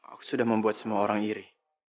aku sudah membuat semua orang iri